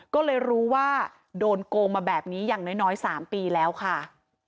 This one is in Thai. ก็เลยรู้ว่าโดนโกงมาแบบนี้อย่างน้อย๓ปีแล้วค่ะ